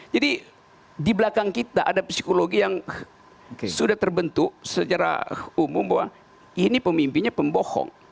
jadi di belakang kita ada psikologi yang sudah terbentuk secara umum bahwa ini pemimpinnya pembohong